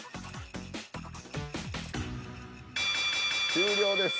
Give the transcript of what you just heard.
終了です。